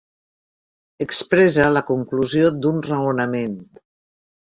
Expressa la conclusió d'un raonament.